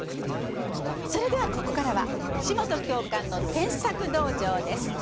それではここからは「岸本教官の添削道場」です。